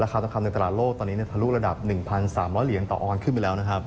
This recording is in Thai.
คาทองคำในตลาดโลกตอนนี้ทะลุระดับ๑๓๐๐เหรียญต่อออนขึ้นไปแล้วนะครับ